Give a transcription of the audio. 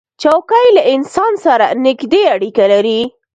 چوکۍ له انسان سره نزدې اړیکه لري.